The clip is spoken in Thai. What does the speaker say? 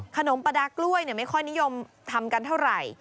ขนมปะดากล้วยเนี่ยไม่ค่อยนิยมทำกันเท่าไหร่